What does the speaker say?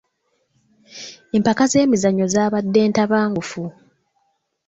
Empaka z'emizannyo zaabadde ntabangufu.